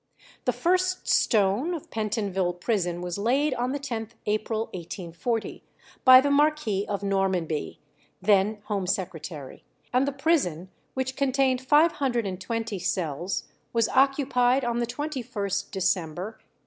The first stone of Pentonville prison was laid on the 10th April, 1840, by the Marquis of Normanby, then Home Secretary, and the prison, which contained five hundred and twenty cells, was occupied on the 21st December, 1842.